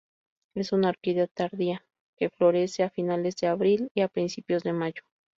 Es una orquídea tardía, que florece a finales de abril o principios de mayo.